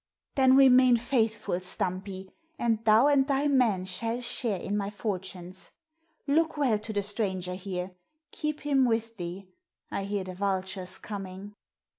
"Then remain faithful, Stumpy, and thou and thy men shall share in my fortunes. Look well to the stranger there. Keep him with thee. I hear the vultures coming."